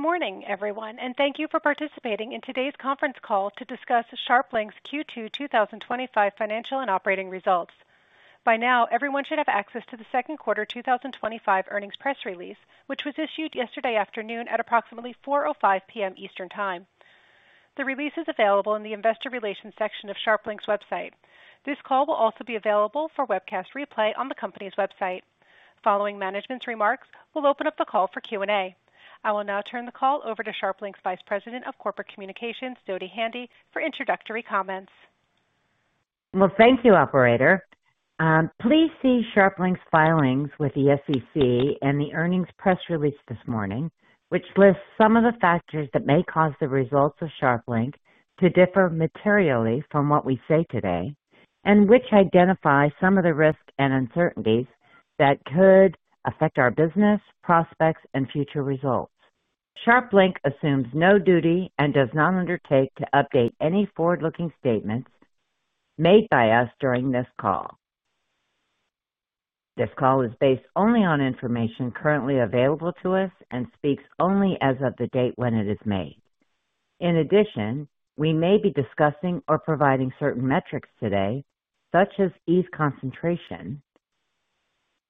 Good morning everyone and thank you for participating in today's conference call to discuss SharpLink's Q2 2025 financial and operating results. By now everyone should have access to the second quarter 2025 earnings press release, which was issued yesterday afternoon at approximately 4:05 P.M. Eastern Time. The release is available in the Investor Relations section of SharpLink's website. This call will also be available for webcast replay on the company's website. Following management's remarks, we'll open up the call for Q&A. I will now turn the call over to SharpLink's Vice President of Corporate Communications, Dodi Handy, for introductory comments. Thank you, operator. Please see SharpLink's filings with the SEC and the earnings press release this morning, which lists some of the factors that may cause the results of SharpLink to differ materially from what we say today and which identify some of the risks and uncertainties that could affect our business prospects and future results. SharpLink assumes no duty and does not undertake to update any forward-looking statements made by us during this call. This call is based only on information currently available to us and speaks only as of the date when it is made. In addition, we may be discussing or providing certain metrics today, such as ETH concentration,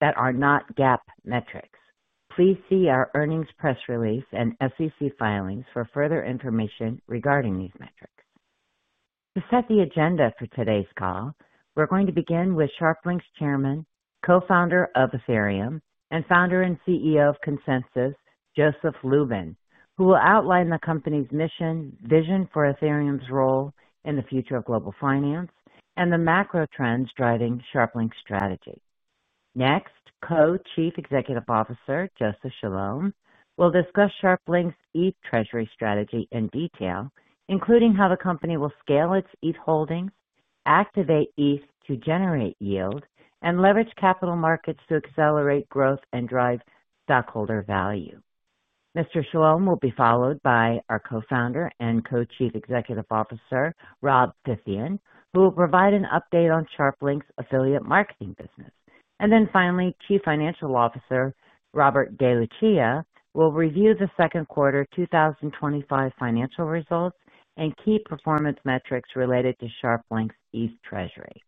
that are not GAAP metrics. Please see our earnings press release and SEC filings for further information regarding these metrics. To set the agenda for today's call, we are going to begin with SharpLink's Chairman, Co-Founder of Ethereum, and Founder and CEO of ConsenSys, Joseph Lubin, who will outline the company's mission, vision for Ethereum's role in the future of global finance, and the macro trends driving SharpLink's strategy. Next, Co-Chief Executive Officer Joseph Chalom will discuss SharpLink's ETH treasury strategy in detail, including how the company will scale its ETH holdings, activate ETH to generate yield, and leverage capital markets to accelerate growth and drive stockholder value. Mr. Chalom will be followed by our Co-Founder and Co-Chief Executive Officer Rob Phythian, who will provide an update on SharpLink's affiliate marketing business. Finally, Chief Financial Officer Robert DeLucia will review the second quarter 2025 financial results and key performance metrics related to SharpLink's ETH treasury.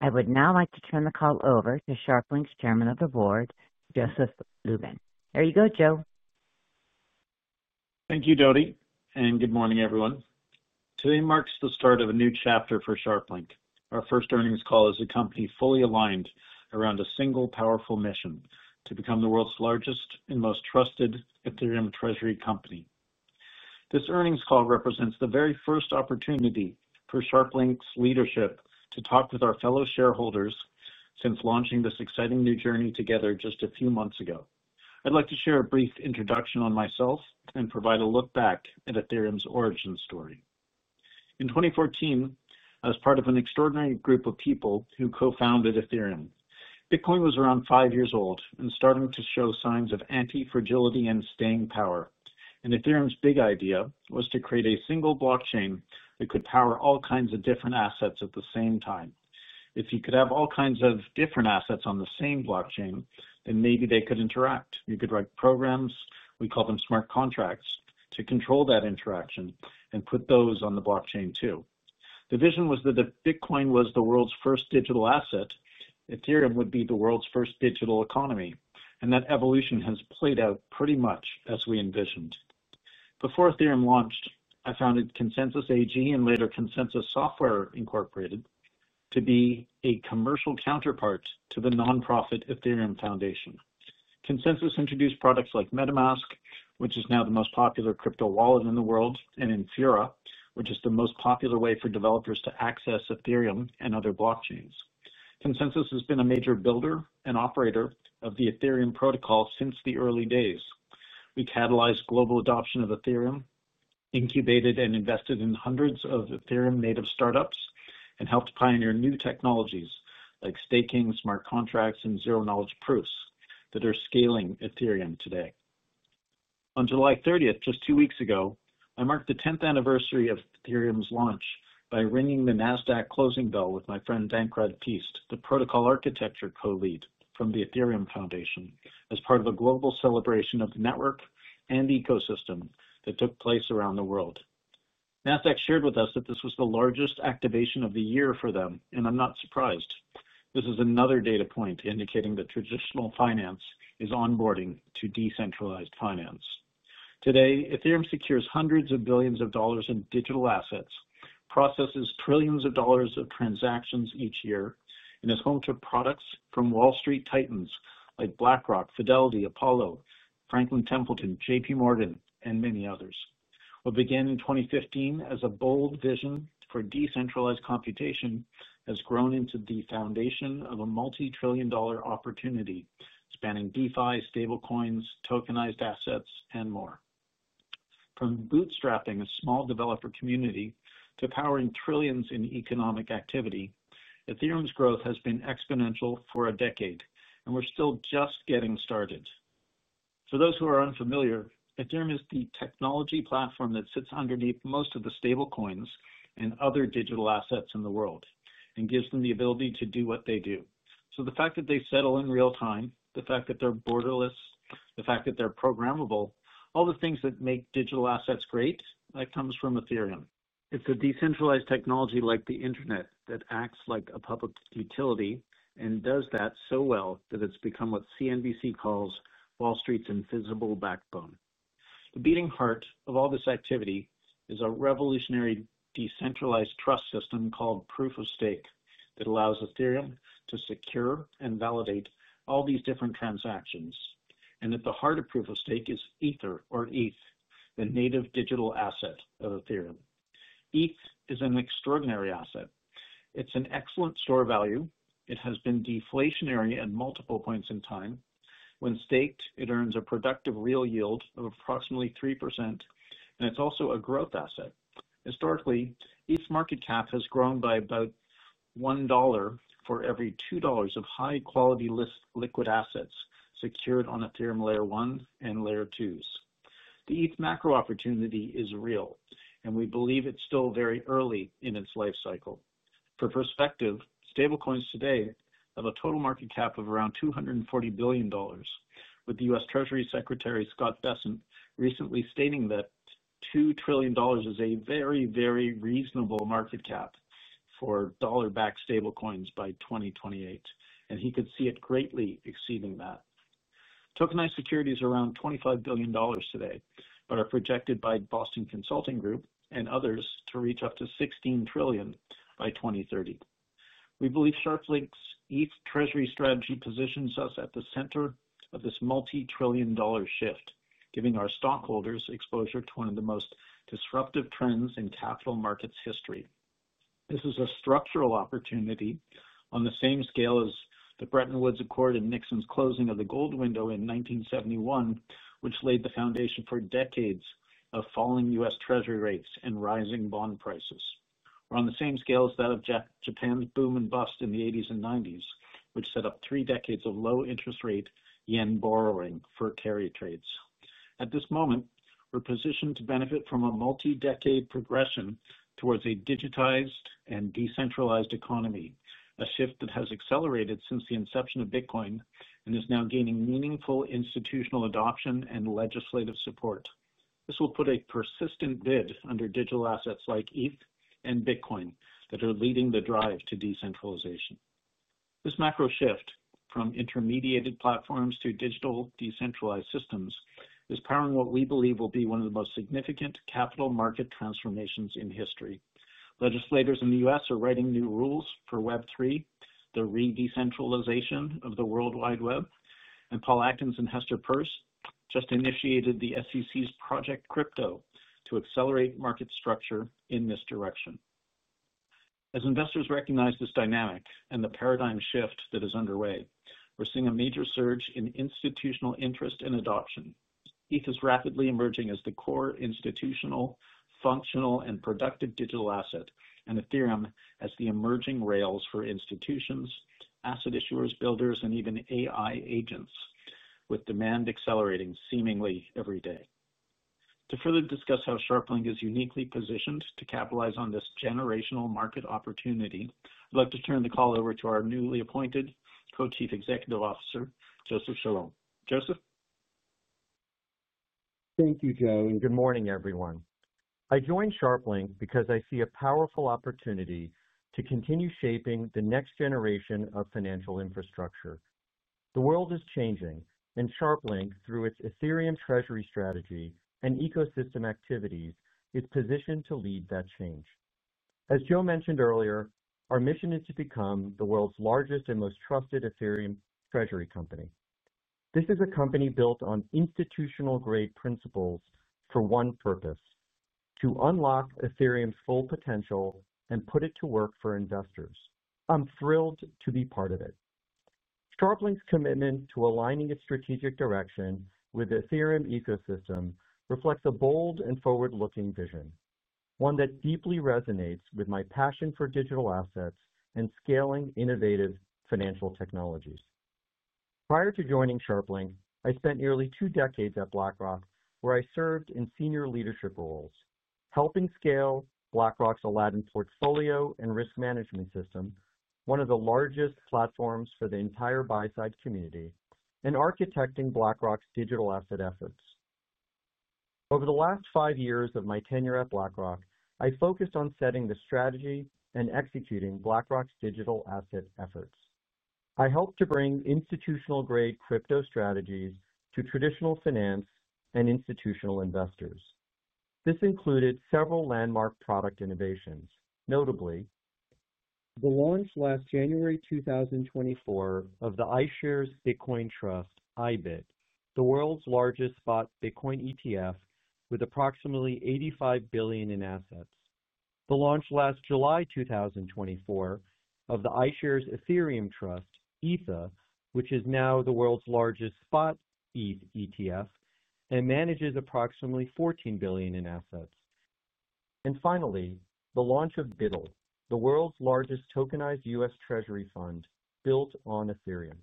I would now like to turn the call over to SharpLink's Chairman of the Board, Joseph Lubin. There you go, Joe. Thank you, Dodi, and good morning, everyone. Today marks the start of a new chapter for SharpLink. Our first earnings call as a company fully aligned around a single powerful mission to become the world's largest and most trusted Ethereum treasury company. This earnings call represents the very first opportunity for SharpLink's leadership to talk with our fellow shareholders since launching this exciting new journey together just a few months ago. I'd like to share a brief introduction on myself and provide a look back at Ethereum's origin story. In 2014, as part of an extraordinary group of people who co-founded Ethereum, Bitcoin was around five years old and starting to show signs of antifragility and staying power. Ethereum's big idea was to create a single blockchain that could power all kinds of different assets at the same time. If you could have all kinds of different assets on the same blockchain, then maybe they could interact. You could write programs, we call them smart contracts, to control that interaction and put those on the blockchain too. The vision was that Bitcoin was the world's first digital asset. Ethereum would be the world's first digital economy. That evolution has played out pretty much as we envisioned. Before Ethereum launched, I founded ConsenSys AG and later ConsenSys Software Inc. to be a commercial counterpart to the nonprofit Ethereum Foundation. ConsenSys introduced products like MetaMask, which is now the most popular crypto wallet in the world, and Infura, which is the most popular way for developers to access Ethereum and other blockchains. ConsenSys has been a major builder and operator of the Ethereum protocol since the early days. We catalyzed global adoption of Ethereum, incubated and invested in hundreds of Ethereum-native startups, and helped pioneer new technologies like staking, smart contracts, and zero-knowledge proofs that are scaling Ethereum today. On July 30th, just two weeks ago, I marked the 10th anniversary of Ethereum's launch by ringing the Nasdaq closing bell with my friend Bankrupt, the Protocol Architecture co-lead from the Ethereum Foundation, as part of a global celebration of the network and ecosystem that took place around the world. Nasdaq shared with us that this was the largest activation of the year for them, and I'm not surprised. This is another data point indicating that traditional finance is onboarding to decentralized finance. Today, Ethereum secures hundreds of billions of dollars in digital assets, processes trillions of dollars of transactions each year, and is home to products from Wall Street titans like BlackRock, Fidelity, Apollo, Franklin Templeton, JPMorgan and many others. What began in 2015 as a bold vision for decentralized computation has grown into the foundation of a multi-trillion dollar opportunity spanning DeFi, stablecoins, tokenized assets and more. From bootstrapping a small developer community to powering trillions in economic activity, Ethereum's growth has been exponential for a decade and we're still just getting started. For those who are unfamiliar, Ethereum is the technology platform that sits underneath most of the stablecoins and other digital assets and gives them the ability to do what they do. The fact that they settle in real time, the fact that they're borderless, the fact that they're programmable, all the things that make digital assets great, that comes from Ethereum. It's a decentralized technology like the Internet that acts like a public utility. Does that so well that it's become. What CNBC calls Wall Street's invisible backbone. The beating heart of all this activity is a revolutionary decentralized trust system called Proof of Stake that allows Ethereum to secure and validate all these different transactions. At the heart of Proof of stake is Ether or ETH, the native digital asset of Ethereum. ETH is an extraordinary asset. It's an excellent store value. It has been deflationary at multiple points in time. When staked, it earns a productive real yield of approximately 3% and it's also a growth asset. Historically, ETH's market cap has grown by about $1 for every $2 of high quality liquid assets secured on Ethereum layer 1 and layer 2s. The ETH macro opportunity is real and we believe it's still very early in its life cycle. For perspective, stablecoins today have a total market cap of around $240 billion. With the U.S. Treasury Secretary Scott Bessent recently stating that $2 trillion is a very, very reasonable market cap for dollar backed stablecoins by 2028. He could see it greatly exceeding that. Tokenized securities are around $25 billion today, but are projected by Boston Consulting Group and others to reach up to $16 trillion by 2030. We believe SharpLink ETH treasury strategy positions us at the center of this multitrillion dollar shift, giving our stockholders exposure to one of the most disruptive trends in capital markets history. This is a structural opportunity on the same scale as the Bretton Woods Accord and Nixon's closing of the gold window in 1971, which laid the foundation for decades of falling U.S. treasury rates and rising bond prices, on the same scale as that of Japan's boom and bust in the 80s and 90s, which set up three decades of low interest rate yen borrowing for carry trades. At this moment, we're positioned to benefit from a multi decade progression towards a digitized and decentralized economy, a shift that has accelerated since the inception of Bitcoin and is now gaining meaningful institutional adoption and legislative support. This will put a persistent bid under digital assets like ETH and Bitcoin that are leading the drive to decentralization. This macro shift from intermediated platforms to digital decentralized systems is powering what we believe will be one of the most significant capital market transformations in history. Legislators in the U.S. are writing new rules for Web3, the redecentralization of the World Wide Web, and Paul Atkins and Hester Peirce just initiated the SEC's Project Crypto to Accelerate Market structure in this direction. As investors recognize this dynamic and the paradigm shift that is underway, we're seeing a major surge in institutional interest and adoption. ETH is rapidly emerging as the core institutional, functional, and productive digital asset and Ethereum as the emerging rails for institutions, asset issuers, builders, and even AI agents, with demand accelerating seemingly every day. To further discuss how SharpLink is uniquely positioned to capitalize on this generational market opportunity, I'd like to turn the call over to our newly appointed Co-Chief Executive Officer, Joseph Chalom. Joseph. Thank you, Joe, and good morning, everyone. I joined SharpLink because I see a powerful opportunity to continue shaping the next generation of financial infrastructure. The world is changing, and SharpLink, through its Ethereum Treasury Strategy and ecosystem activities, is positioned to lead that change. As Joe mentioned earlier, our mission is to become the world's largest and most trusted Ethereum treasury company. This is a company built on institutional-grade principles for one purpose: to unlock Ethereum's full potential and put it to work for investors. I'm thrilled to be part of it. SharpLink's commitment to aligning its strategic direction with the Ethereum ecosystem reflects a bold and forward-looking vision, one that deeply resonates with my passion for digital assets and scaling innovative financial technologies. Prior to joining SharpLink, I spent nearly two decades at BlackRock, where I served in senior leadership roles helping scale BlackRock's Aladdin portfolio and risk management system, one of the largest platforms for the entire buy-side community, and architecting BlackRock's digital asset efforts. Over the last five years of my tenure at BlackRock, I focused on setting the strategy and executing BlackRock's digital asset efforts. I helped to bring institutional-grade crypto strategies to traditional finance and institutional investors. This included several landmark product innovations, notably the launch last January 2024 of the iShares Bitcoin Trust IBIT, the world's largest spot Bitcoin ETF with approximately $85 billion in assets, the launch last July 2024 of the iShares Ethereum Trust ETHA, which is now the world's largest spot ETH ETF and manages approximately $14 billion in assets, and finally the launch of BUIDL, the world's largest tokenized U.S. treasury fund built on Ethereum.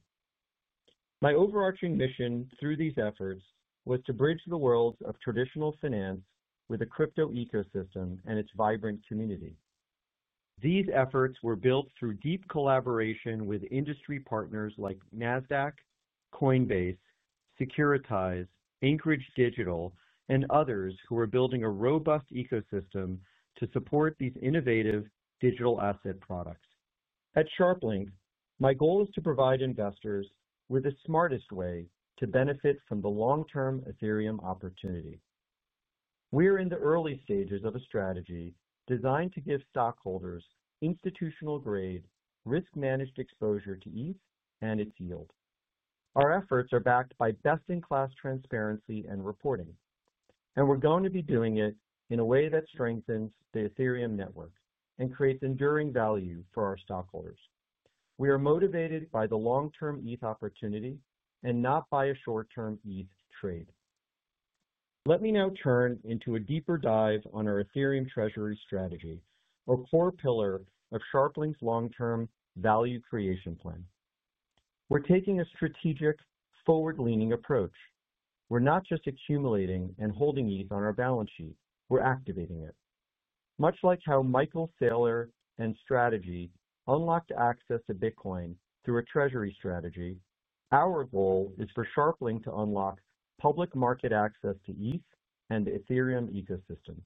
My overarching mission through these efforts was to bridge the world of traditional finance with the crypto ecosystem and its vibrant community. These efforts were built through deep collaboration with industry partners like Nasdaq, Coinbase, Securitize, Anchorage Digital, and others who are building a robust ecosystem to support these innovative digital asset products. At SharpLink, my goal is to provide investors with the smartest way to benefit from the long-term Ethereum opportunity. We're in the early stages of a strategy designed to give stockholders institutional-grade, risk-managed exposure to ETH and its yield. Our efforts are backed by best-in-class transparency and reporting, and we're going to be doing it in a way that strengthens the Ethereum network and creates enduring value for our stockholders. We are motivated by the long-term ETH opportunity and not by a short-term ETH trade. Let me now turn into a deeper dive on our Ethereum Treasury Strategy, our core pillar of SharpLink's long-term value creation plan. We're taking a strategic, forward-leaning approach. We're not just accumulating and holding ETH on our balance sheet, we're activating it, much like how Michael Saylor and strategy unlocked access to Bitcoin through a Treasury Strategy. Our goal is for SharpLink to unlock public market access to ETH and the Ethereum ecosystem.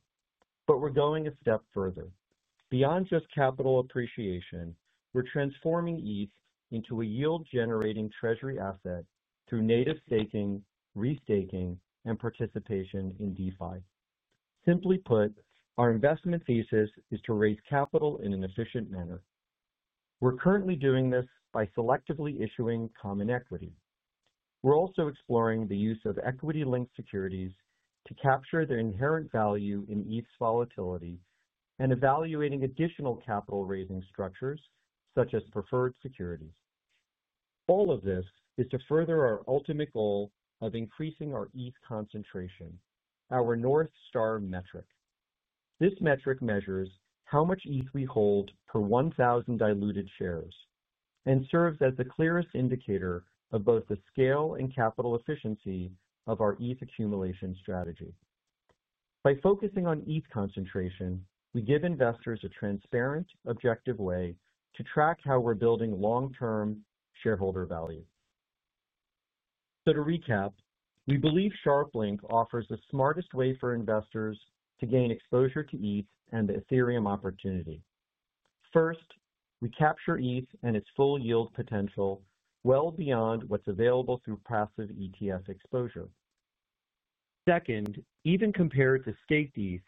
We're going a step further beyond just capital appreciation. We're transforming ETH into a yield-generating treasury asset through native staking, restaking, and participation in DeFi. Simply put, our investment thesis is to raise capital in an efficient manner. We're currently doing this by selectively issuing common equity. We're also exploring the use of equity-linked securities to capture the inherent value in ETH's volatility and evaluating additional capital raising structures such as preferred securities. All of this is to further our ultimate goal of increasing our ETH concentration, our North Star Metric. This metric measures how much ETH we hold per 1,000 diluted shares and serves as the clearest indicator of both the scale and capital efficiency of our ETH accumulation strategy. By focusing on ETH concentration, we give investors a transparent, objective way to track how we're building long-term shareholder value. To recap, we believe SharpLink offers the smartest way for investors to gain exposure to ETH and the Ethereum opportunity. First, we capture ETH and its full yield potential, well beyond what's available through passive ETF exposure. Second, even compared to staked ETH,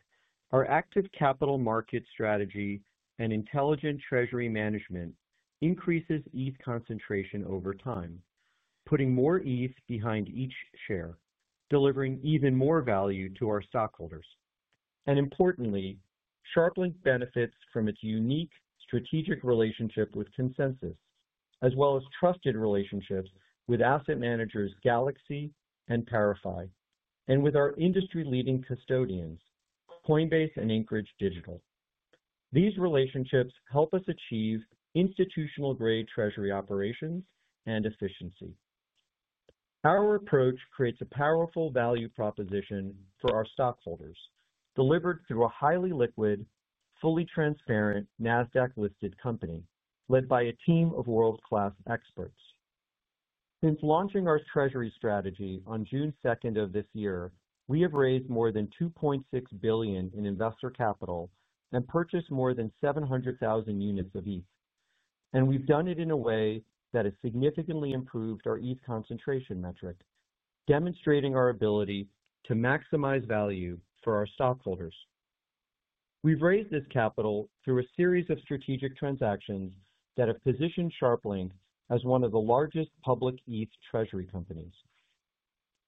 our active capital market strategy and intelligent treasury management increases ETH concentration over time, putting more ETH behind each share, delivering even more value to our stockholders. Importantly, SharpLink benefits from its unique strategic relationship with ConsenSys as well as trusted relationships with asset managers Galaxy Digital and ParaFi Capital, and with our industry-leading custodians Coinbase and Anchorage Digital. These relationships help us achieve institutional-grade treasury operations and efficiency. Our approach creates a powerful value proposition for our stockholders delivered through a highly liquid, fully transparent Nasdaq-listed company led by a team of world-class experts. Since launching our treasury strategy on June 2, 2024, we have raised more than $2.6 billion in investor capital and purchased more than 700,000 units of ETH. We have done it in a way that has significantly improved our ETH concentration metric, demonstrating our ability to maximize value for our stockholders. We have raised this capital through a series of strategic transactions that have positioned SharpLink as one of the largest public ETH treasury companies.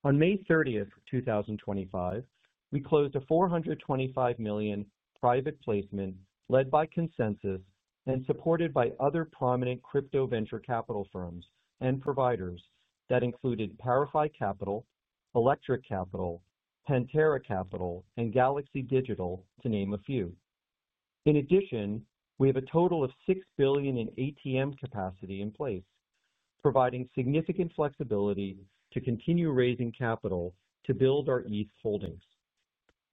On May 30th, 2024, we closed a $425 million private placement led by ConsenSys and supported by other prominent crypto venture capital firms and providers that included ParaFi Capital, Electric Capital, Pantera Capital, and Galaxy Digital, to name a few. In addition, we have a total of $6 billion in ATM capacity in place, providing significant flexibility to continue raising capital to build our ETH holdings.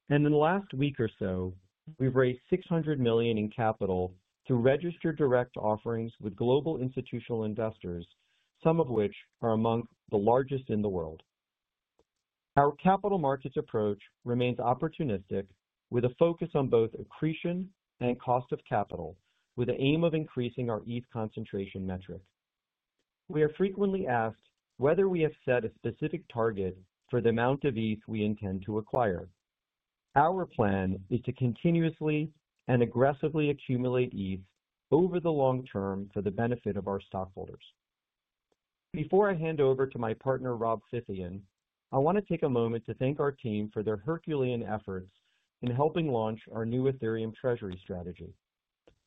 In the last week or so, we have raised $600 million in capital through registered direct offerings with global institutional investors, some of which are among the largest in the world. Our capital markets approach remains opportunistic with a focus on both accretion and cost of capital with the aim of increasing our ETH concentration metric. We are frequently asked whether we have set a specific target for the amount of ETH we intend to acquire. Our plan is to continuously and aggressively accumulate ETH over the long term for the benefit of our stockholders. Before I hand over to my partner Rob Phythian, I want to take a moment to thank our team for their herculean efforts in helping launch our new Ethereum Treasury Strategy.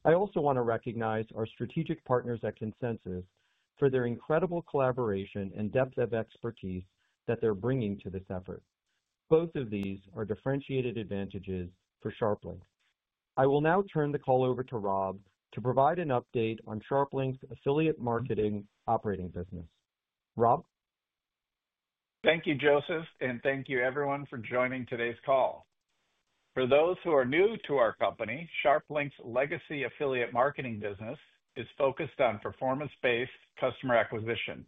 I also want to recognize our strategic partners at ConsenSys for their incredible collaboration and depth of expertise that they are bringing to this effort. Both of these are differentiated advantages for SharpLink. I will now turn the call over to Rob to provide an update on SharpLink's affiliate marketing operating business. Rob. Thank you Joseph, and thank you everyone for joining today's call. For those who are new to our company, SharpLink's legacy affiliate marketing business is focused on performance-based customer acquisition,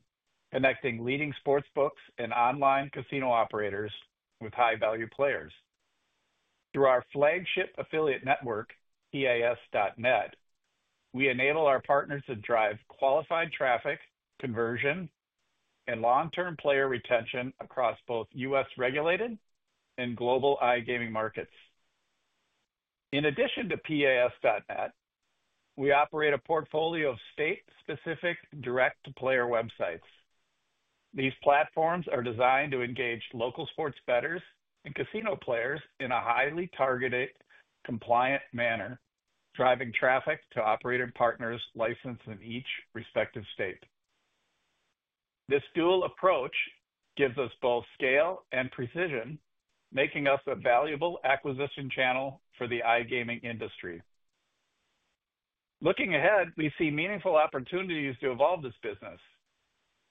connecting leading sportsbooks and online casino operators with high-value players. Through our flagship affiliate network, eas.net, we enable our partners to drive qualified traffic, conversion, and long-term player retention across both U.S. regulated and global iGaming markets. In addition to eas.net, we operate a portfolio of state-specific direct-to-player websites. These platforms are designed to engage local sports bettors and casino players in a highly targeted, compliant manner, driving traffic to operator partners licensed in each respective state. This dual approach gives us both scale and precision, making us a valuable acquisition channel for the iGaming industry. Looking ahead, we see meaningful opportunities to evolve this business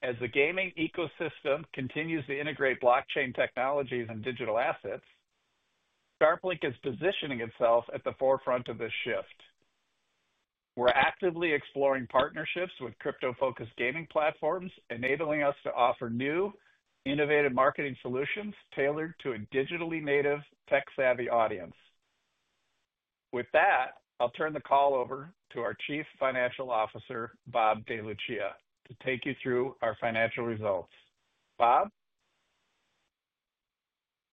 as the gaming ecosystem continues to integrate blockchain technologies and digital assets. SharpLink is positioning itself at the forefront of this shift. We're actively exploring partnerships with crypto-focused gaming platforms, enabling us to offer new, innovative marketing solutions tailored to a digitally native, tech-savvy audience. With that, I'll turn the call over to our Chief Financial Officer, Rob DeLucia, to take you through our financial results. Rob.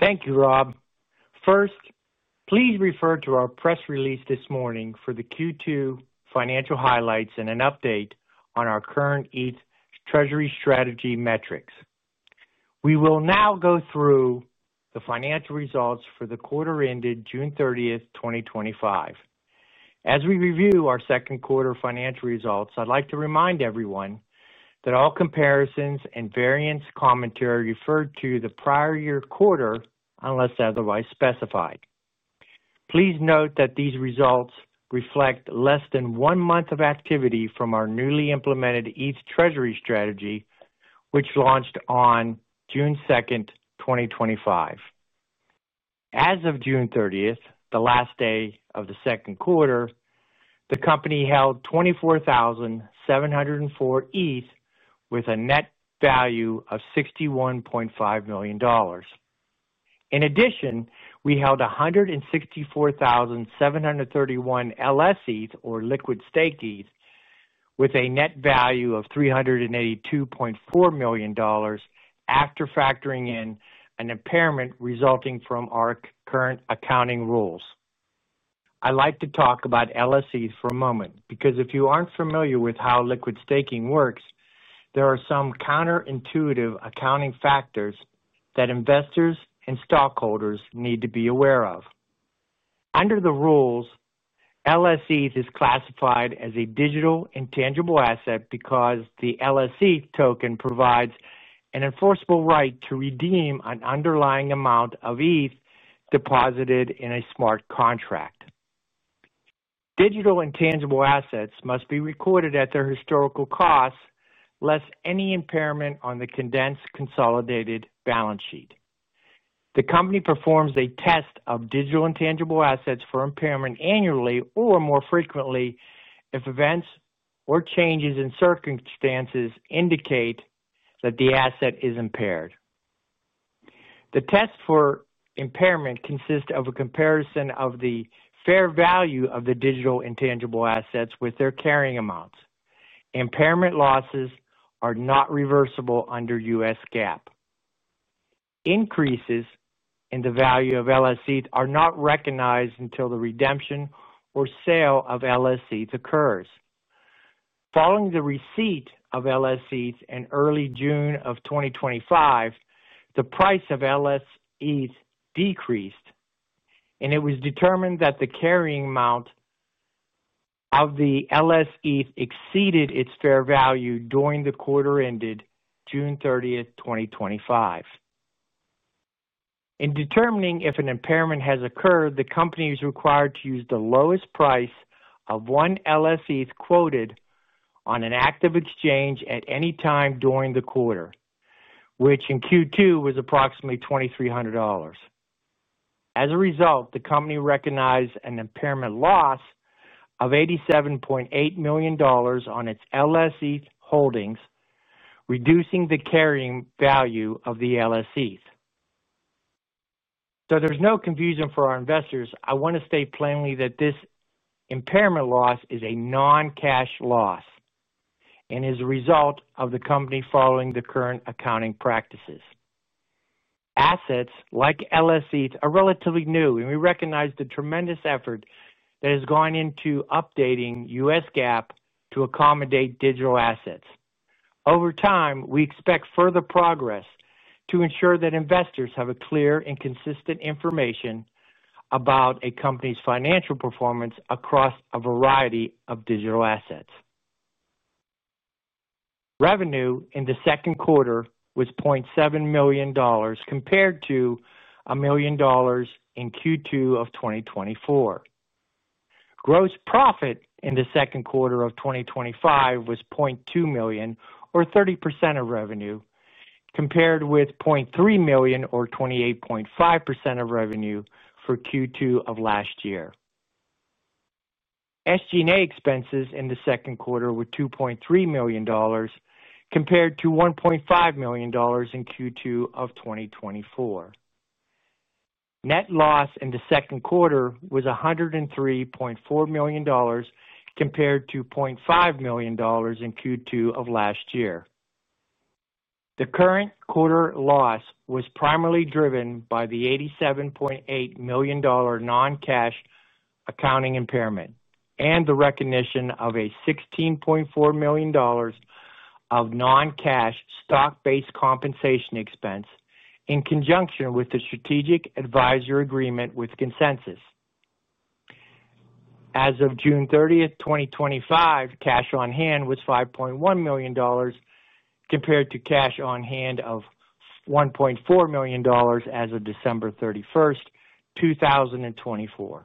Thank you Rob. First, please refer to our press release this morning for the Q2 financial highlights and an update on our current ETH Treasury Strategy metrics. We will now go through the financial results for the quarter ended June 30th, 2025, as we review our second quarter financial results. I'd like to remind everyone that all comparisons and variance commentary refer to the prior year quarter unless otherwise specified. Please note that these results reflect less than one month of activity from our newly implemented ETH Treasury Strategy, which launched on June 2nd, 2025. As of June 30th, the last day of the second quarter, the company held 24,704 ETH with a net value of $61.5 million. In addition, we held 164,731 LsETH, or liquid staked ETH, with a net value of $382.4 million after factoring in an impairment resulting from our current accounting rules. I'd like to talk about LsETH for a moment because if you aren't familiar with how liquid staking works, there are some counterintuitive accounting factors that investors and stockholders need to be aware of. Under the rules, LsETH is classified as a digital intangible asset. Because the LsETH token provides an enforceable right to redeem an underlying amount of ETH deposited in a smart contract. Digital. Intangible assets must be recorded at their historical cost less any impairment on the condensed consolidated balance sheet. The Company performs a test of digital intangible assets for impairment annually or more frequently if events or changes in circumstances indicate that the asset is impaired. The test for impairment consists of a comparison of the fair value of the digital intangible assets with their carrying amounts. Impairment losses are not reversible under U.S. GAAP. Increases in the value of LsETH are not recognized until the redemption or sale of LsETH occurs. Following the receipt of LsETH in early June of 2025, the price of LsETH decreased and it was determined that the carrying amount of the LsETH exceeded its fair value during the quarter ended June 30th, 2025. In determining if an impairment has occurred, the Company is required to use the lowest price of one LsETH quoted on an active exchange at any time during the quarter, which in Q2 was approximately $2,300. As a result, the company recognized an impairment loss of $87.8 million on its LsETH holdings, reducing the carrying value of the LsETH. There's no confusion for our investors. I want to state plainly that this impairment loss is a non-cash loss and is a result of the company following the current accounting practices. Assets like LsETH are relatively new and we recognize the tremendous effort that has gone into updating U.S. GAAP to accommodate digital assets over time. We expect further progress to ensure that investors have clear and consistent information about a company's financial performance across a variety of digital assets. Revenue in the second quarter was $0.7 million compared to $1.0 million in Q2 of 2024. Gross profit in the second quarter of 2025 was $0.2 million or 30% of revenue compared with $0.3 million or 28.5% of revenue for Q2 of last year. SG&A expenses in the second quarter were $2.3 million compared to $1.5 million in Q2 of 2024. Net loss in the second quarter was $103.4 million compared to $0.5 million in Q2 of last year. The current quarter loss was primarily driven by the $87.8 million non-cash accounting impairment and the recognition of a $16.4 million non-cash stock-based compensation expense in conjunction with the Strategic Advisor Agreement with ConsenSys. As of June 30th, 2025, cash on hand was $5.1 million compared to cash on hand of $1.4 million as of December 31st, 2024.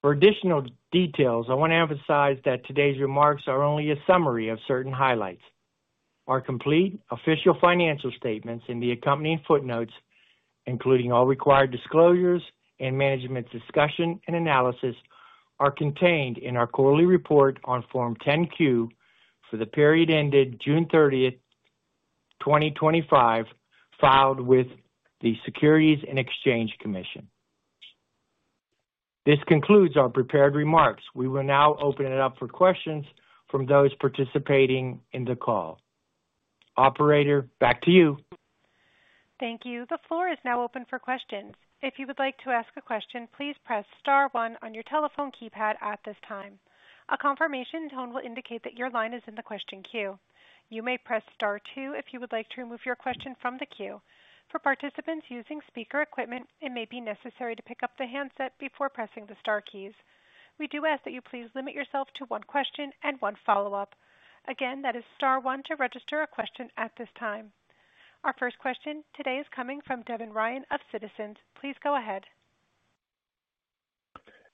For additional details, I want to emphasize that today's remarks are only a summary of certain highlights. Our complete official financial statements and the accompanying footnotes, including all required disclosures and management's discussion and analysis, are contained in our quarterly report on Form 10-Q for the period ended June 30th, 2025, filed with the Securities and Exchange Commission. This concludes our prepared remarks. We will now open it up for questions from those participating in the call. Operator, back to you. Thank you. The floor is now open for questions. If you would like to ask a question, please press star one on your telephone keypad at this time. A confirmation tone will indicate that your line is in the question queue. You may press star two if you would like to remove your question from the queue. For participants using speaker equipment, it may be necessary to pick up the handset before pressing the star keys. We do ask that you please limit yourself to one question and one follow up. Again, that is star one to register a question at this time. Our first question today is coming from Devin Ryan of Citizens. Please go ahead.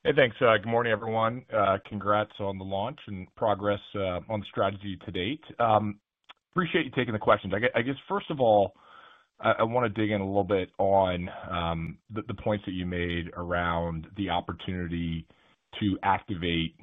Hey, thanks. Good morning, everyone. Congrats on the launch and progress on strategy to date. Appreciate you taking the questions, I guess. First of all, I want to dig. In a little bit on the points that you made around the opportunity to activate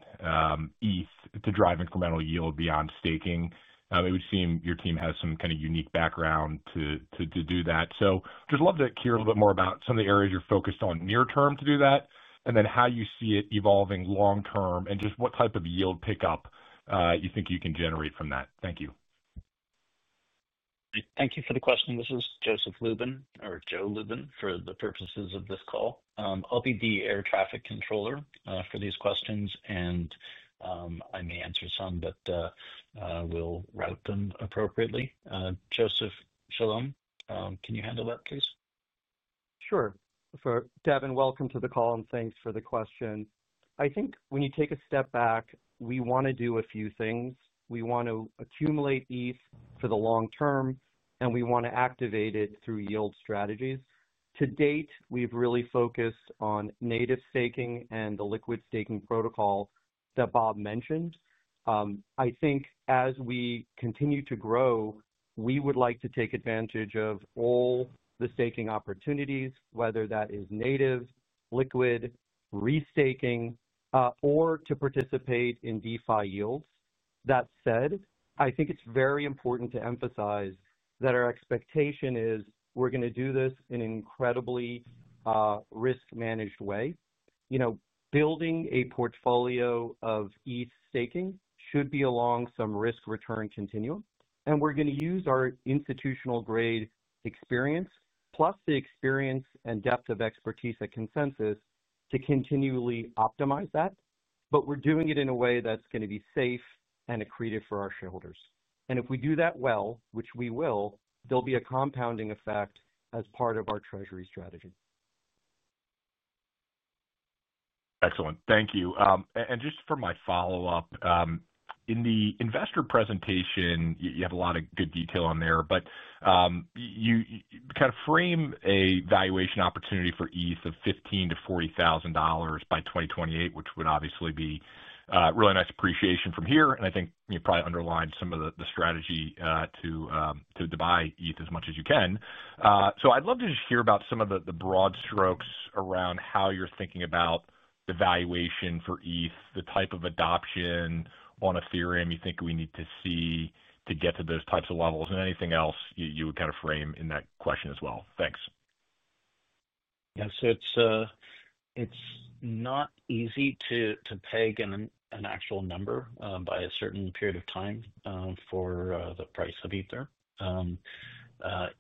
ETH to drive incremental yield beyond staking, it would seem your team has some kind of unique background to do that, so just love to hear a little. Bit more about some of the areas. You're focused on near term to do that, and then how you see it evolving long term, and just what type of yield pickup you think you can generate from that. Thank you. Thank you for the question. This is Joseph Lubin or Joe Lubin for the purposes of this call. I'll be the air traffic controller for these questions, and I may answer some, but we'll route them appropriately. Joseph Chalom, can you handle that please? Sure. Devin, welcome to the call and thanks for the question. I think when you take a step back, we want to do a few things. We want to accumulate ETH for the long term and we want to activate it through yield strategies. To date, we've really focused on native staking and the liquid staking protocol that Bob mentioned. I think as we continue to grow, we would like to take advantage of all the staking opportunities, whether that is native, liquid, restaking, or to participate in DeFi yields. That said, I think it's very important to emphasize that our expectation is we're going to do this in an incredibly risk-managed way. Building a portfolio of ETH staking should be along some risk-return continuum and we're going to use our institutional-grade experience, plus the experience and depth of expertise at ConsenSys to continually optimize that. We're doing it in a way that's going to be safe and accretive for our shareholders. If we do that well, which we will, there'll be a compounding effect as part of our treasury strategy. Excellent, thank you. Just for my follow up, in the investor presentation you have a lot of good detail on there, but you kind of frame a valuation opportunity for ETH of $15,000-$40,000 by 2028, which would obviously be really nice appreciation from here and I think probably underlined some of the strategy to buy ETH as much as you can. I'd love to just hear about. Some of the broad strokes around how you're thinking about the valuation for ETH, the type of adoption on Ethereum you think we need to see to get to those types of levels, and anything else you would kind of frame in that question as well. Thanks. Yes, it's not easy to peg an actual number by a certain period of time for the price of Ether.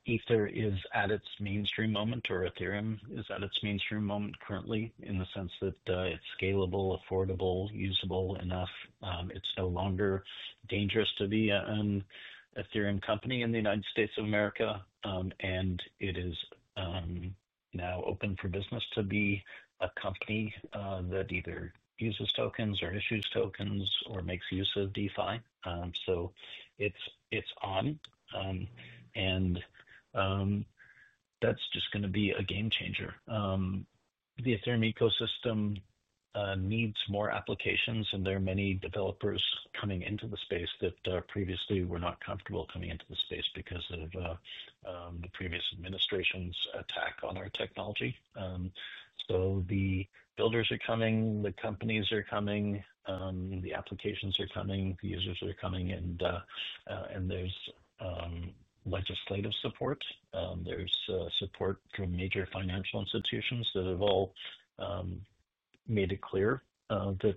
Ether is at its mainstream moment, or Ethereum is at its mainstream moment currently in the sense that it's scalable, affordable, usable enough. It's no longer dangerous to be an Ethereum company in the U.S., and it is now open for business to be a company that either uses tokens or issues tokens or makes use of DeFi. It's on, and that's just going to be a game changer. The Ethereum ecosystem needs more applications, and there are many developers coming into the space that previously were not comfortable coming into the space because of the previous administration's attack on our technology. The builders are coming, the companies are coming, the applications are coming, the users are coming, and there's legislative support, there's support from major financial institutions that have all made it clear that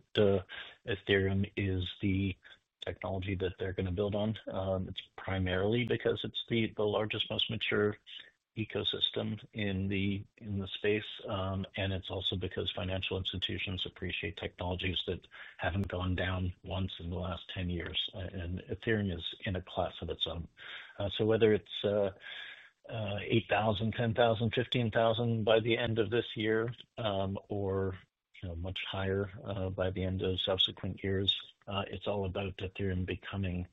Ethereum is the technology that they're going to build on. It's primarily because it's the largest, most mature ecosystem in the space. It's also because financial institutions appreciate technologies that haven't gone down once in the last 10 years, and Ethereum is in a class of its own. Whether it's $8,000, $10,000, $15,000 by the end of this year or much higher by the end of subsequent years, it's all about Ethereum becoming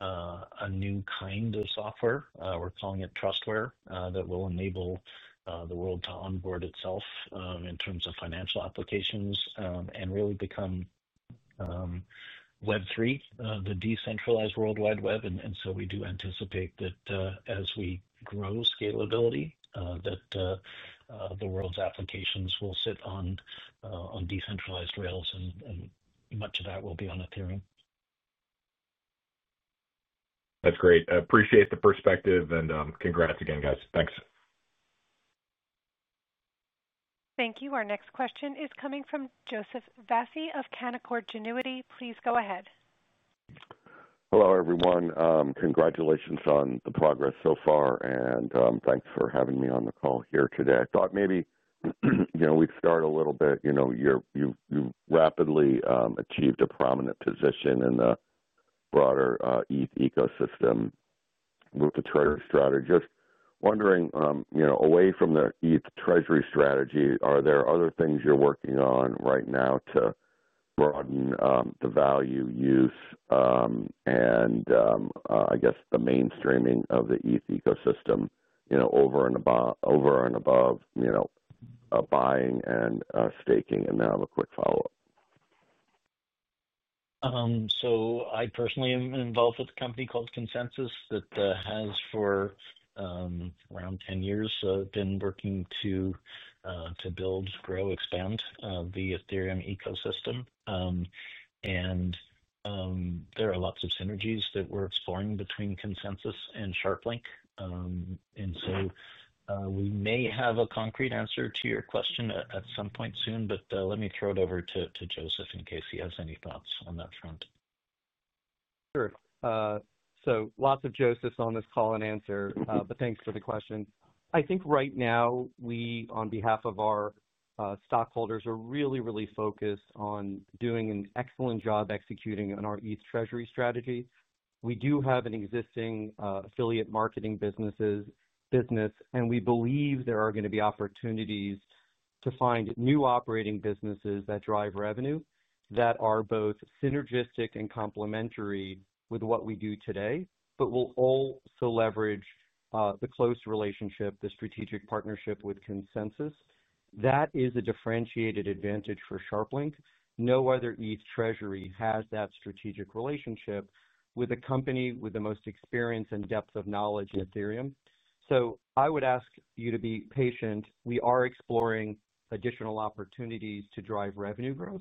a new kind of software. We're calling it Trustware that will enable the world to onboard itself in terms of financial applications and really become. Web3. The decentralized World Wide Web. We do anticipate that as we grow scalability, the world's applications will sit on decentralized rails and much of that will be on Ethereum. That's great. I appreciate the perspective, and congrats again, guys. Thanks. Thank you. Our next question is coming from Joseph Vafi of Canaccord Genuity. Please go ahead. Hello everyone. Congratulations on the progress so far and thanks for having me on the call here today. I thought maybe we'd start a little bit. You rapidly achieved a prominent position in the broader ETH ecosystem with the treasury strategy. Just wondering, away from the ETH treasury strategy, are there other things you're working on right now to broaden the value, use, and I guess the mainstreaming of the ETH ecosystem, over and above buying and staking. Now a quick follow up. I personally am involved with a company called ConsenSys that has for around 10 years been working to build, grow, expand the Ethereum ecosystem. There are lots of synergies that we're exploring between ConsenSys and SharpLink. We may have a concrete answer to your question at some point soon. Let me throw it over to Joseph in case he has any thoughts on that front. Sure. Lots of Josephs on this call and answer, but thanks for the question. I think right now we, on behalf of our stockholders, are really, really focused on doing an excellent job executing on our ETH treasury strategy. We do have an existing affiliate marketing business and we believe there are going to be opportunities to find new operating businesses that drive revenue that are both synergistic and complementary with what we do today, which will also leverage the close relationship, the strategic partnership with ConsenSys that is a differentiated advantage for SharpLink Gaming. No other ETH treasury has that strategic relationship with a company with the most experience and depth of knowledge in Ethereum. I would ask you to be patient. We are exploring additional opportunities to drive revenue growth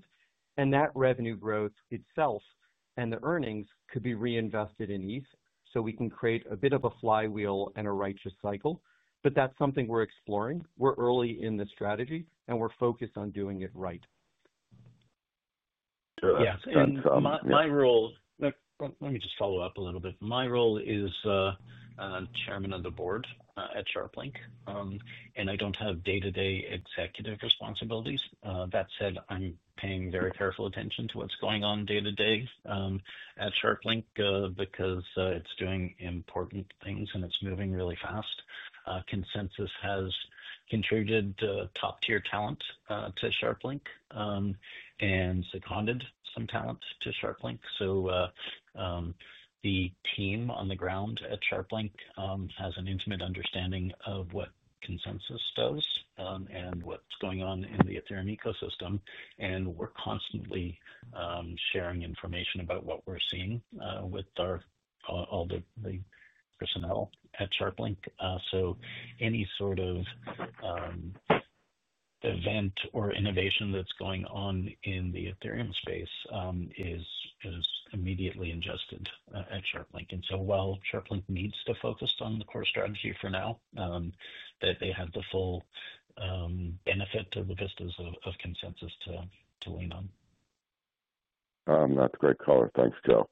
and that revenue growth itself and the earnings could be reinvested in ETH. We can create a bit of a flywheel and a righteous cycle. That is something we're exploring. We're early in the strategy and we're focused on doing it right. Yes, my role, let me just follow up a little bit. My role is Chairman of the Board at SharpLink and I don't have day-to-day executive responsibilities. That said, I'm paying very careful attention to what's going on day-to-day at SharpLink because it's doing important things and it's moving really fast. ConsenSys has contributed top-tier talent to SharpLink and seconded some talent to SharpLink. The team on the ground at SharpLink has an intimate understanding of what ConsenSys does and what's going on in the Ethereum ecosystem. We're constantly sharing information about what we're seeing with all the personnel at SharpLink. Any sort of event or innovation that's going on in the Ethereum space is immediately ingested at SharpLink. While SharpLink needs to focus on the core strategy for now, they have the full benefit of the vistas of ConsenSys to lean on. That's a great caller, thanks, Joe.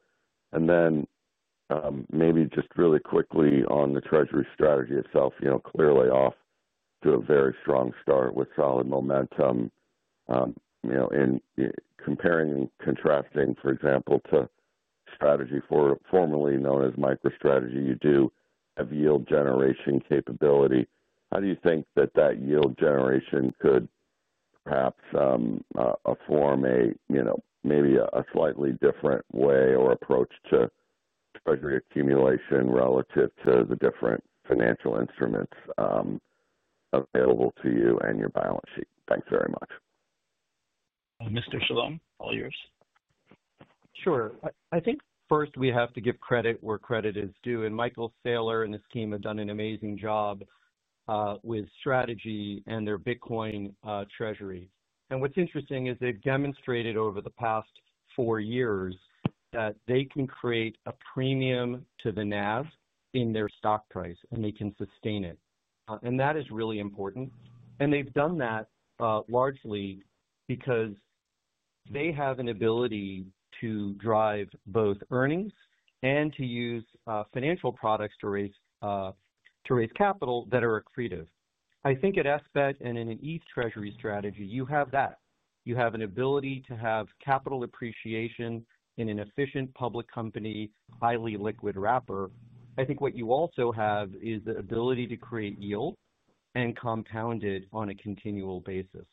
Maybe just really quickly on the treasury strategy itself, clearly off to a very strong start with solid momentum. In comparing and contrasting, for example, to strategy formerly known as MicroStrategy, you do have yield generation capability. How do you think that that yield generation could perhaps afford maybe a slightly different way or approach to treasury accumulation relative to the different financial instruments available to you and your balance sheet? Thanks very much. Mr. Chalom. All yours. Sure. I think first we have to give credit where credit is due. Michael Saylor and his team have done an amazing job with strategy and their Bitcoin treasury. What's interesting is they've demonstrated over the past four years that they can create a premium to the NAV in their stock price and they can sustain it. That is really important. They've done that largely because they have an ability to drive both earnings and to use financial products to raise capital that are accretive. I think at SharpLink and in an ETH treasury strategy you have that. You have an ability to have capital appreciation in an efficient public company, highly liquid wrapper. I think what you also have is the ability to create yield and compound it on a continual basis.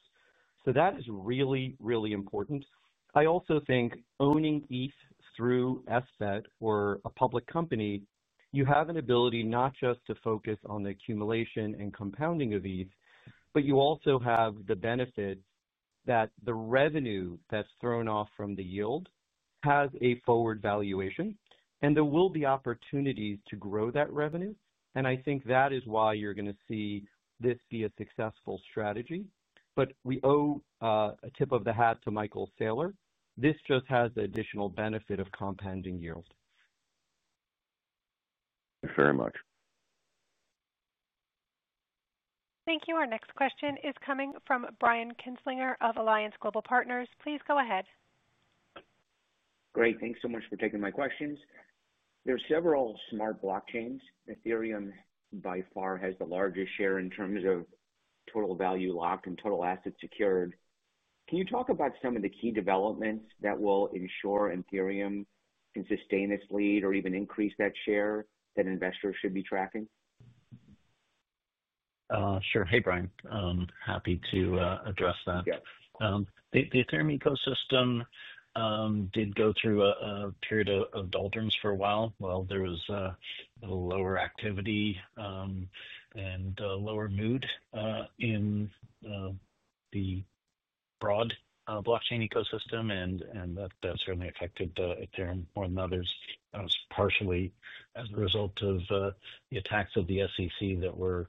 That is really, really important. I also think owning ETH through SBET or a public company, you have an ability not just to focus on the accumulation and compounding of these, but you also have the benefit that the revenue that's thrown off from the yield has a forward valuation and there will be opportunities to grow that revenue. I think that is why you're going to see this be a successful strategy, but we owe a tip of the hat to Michael Saylor. This just has the additional benefit of compounding yield. Thanks very much. Thank you. Our next question is coming from Brian Kinstlinger of Alliance Global Partners. Please go ahead. Great. Thanks so much for taking my questions. There are several smart blockchains. Ethereum by far has the largest share in terms of total value locked and total assets secured. Can you talk about some of the key developments that will ensure Ethereum can sustain its lead or even increase that share that investors should be tracking? Sure. Hey Brian, happy to address that. The Ethereum ecosystem did go through a period of doldrums for a while, while there was lower activity and lower mood in the broad blockchain ecosystem. That certainly affected Ethereum more than others, partially as a result of the attacks of the SEC that were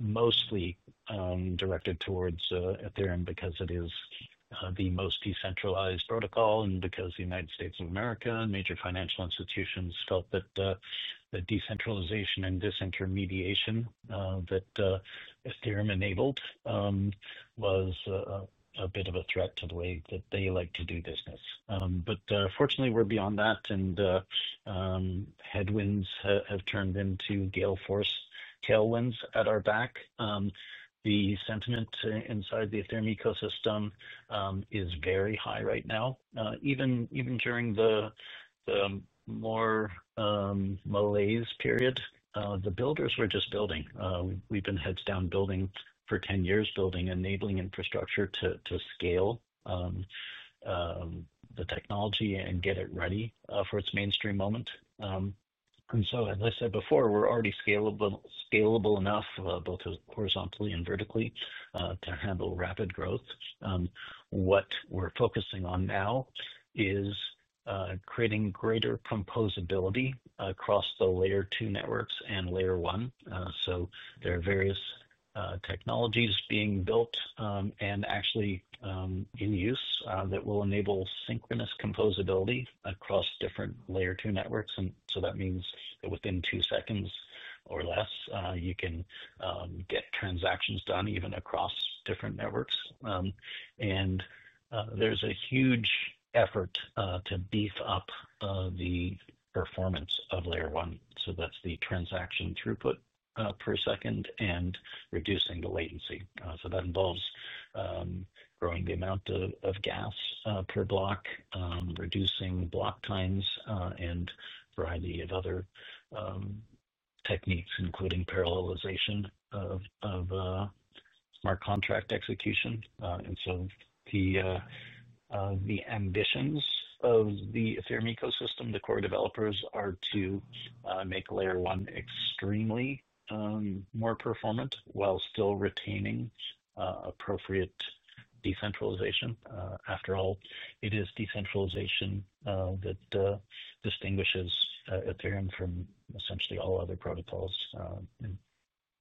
mostly directed towards Ethereum because it is the most decentralized protocol and because the United States of America and major financial institutions felt that the decentralization and disintermediation that Ethereum enabled was a bit of a threat to the way that they like to do business. Fortunately we're beyond that and headwinds have turned into gale force tailwinds at our back. The sentiment inside the Ethereum ecosystem is very high right now. Even during the more malaise period, the builders were just building, we've been heads down building for 10 years, building enabling infrastructure to scale the technology and get it ready for its mainstream moment. As I said before, we're already scalable enough both horizontally and vertically to handle rapid growth. What we're focusing on now is creating greater composability across the Layer 2 networks and Layer 1. There are various technologies being built and actually in use that will enable synchronous composability across different Layer 2 networks. That means that within two seconds or less you can get transactions done even across different networks. There's a huge effort to beef up the performance of Layer 1. That's the transaction throughput per second and reducing the latency. That involves growing the amount of gas per block, reducing block times and a variety of other techniques, including parallelization of smart contract execution. The ambitions of the Ethereum ecosystem, the core developers, are to make Layer 1 extremely more performant while still retaining appropriate decentralization. After all, it is decentralization that distinguishes Ethereum from essentially all other protocols.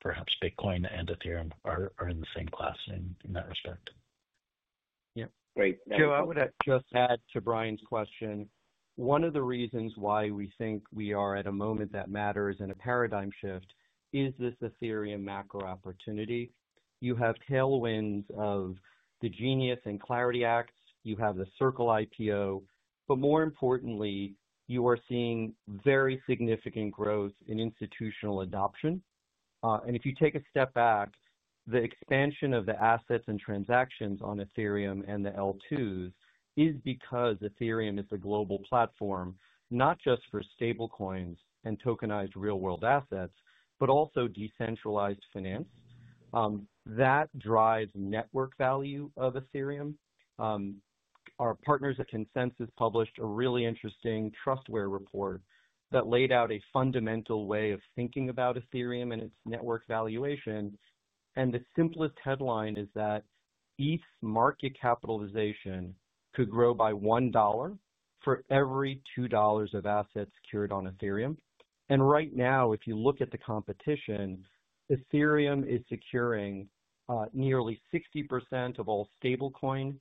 Perhaps Bitcoin and Ethereum are in the same class in that respect. Yeah, great. Joe. I would just add to Brian's question. One of the reasons why we think we are at a moment that matters in a paradigm shift is this Ethereum macro opportunity. You have tailwinds of the Genius and Clarity Acts, you have the Circle IPO. More importantly, you are seeing very significant growth in institutional adoption. If you take a step back, the expansion of the assets and transactions on Ethereum and the L2s is because Ethereum is the global platform not just for stablecoins and tokenized real world assets, but also decentralized finance that drives network value of Ethereum. Our partners at ConsenSys published a really interesting Trustware report that laid out a fundamental way of thinking about Ethereum and its network valuation. The simplest headline is that ETH's market capitalization could grow by $1 for every $2 of assets secured on Ethereum. Right now, if you look at the competition, Ethereum is securing nearly 60% of all stablecoin